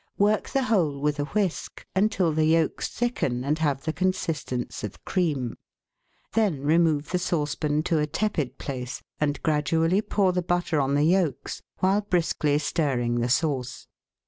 Work the whole with a whisk until the yolks thicken and have the consistence of cream. Then remove the saucepan to a tepid place and gradually pour the butter on the yolks while briskly stirring the sauce.